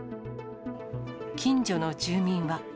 近所の住民は。